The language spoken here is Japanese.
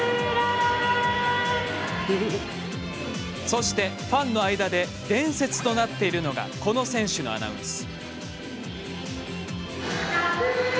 そしてファンの間で伝説となっているのがこの選手のアナウンス。